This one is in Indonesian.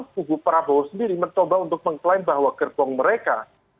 kubu prabowo sendiri mencoba untuk mengklaim bahwa gerbong mereka